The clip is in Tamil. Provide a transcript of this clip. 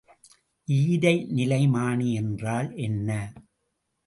ஈரநிலைமானி என்றால் என்ன?